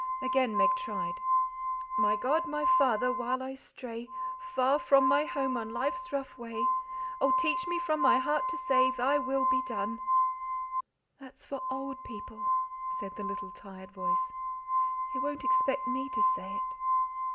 Again Meg tried: "My God, my Father, while I stray Far from my home on life's rough way, Oh, teach me from my heart to say Thy will be done!" "That's for old people," said the little tired voice. "He won't expect ME to say it."